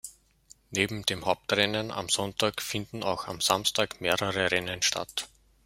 Neben dem Hauptrennen am Sonntag finden auch am Samstag mehrere Rennen statt.